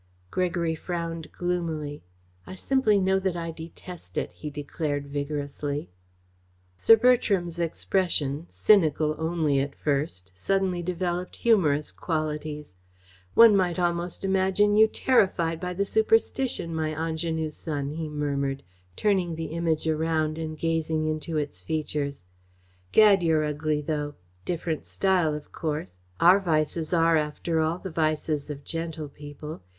Gregory frowned gloomily. "I simply know that I detest it," he declared vigorously. Sir Bertram's expression, cynical only at first, suddenly developed humorous qualities. "One might almost imagine you terrified by the superstition, my ingénu son," he murmured, turning the Image around and gazing into its features. "Gad, you're ugly, though! Different style, of course. Our vices are, after all, the vices of gentle people.